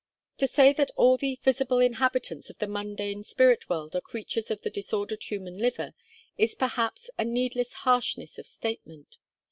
To say that all the visible inhabitants of the mundane spirit world are creatures of the disordered human liver, is perhaps a needless harshness of statement.